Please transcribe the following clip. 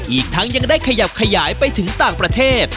อีกทั้งยังได้ขยับขยายไปถึงต่างประเทศ